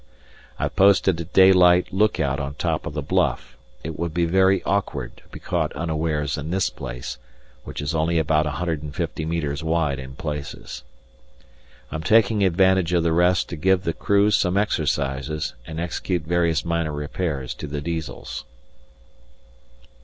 I've posted a daylight look out on top of the bluff; it would be very awkward to be caught unawares in this place, which is only about 150 metres wide in places. I'm taking advantage of the rest to give the crew some exercises and execute various minor repairs to the Diesels.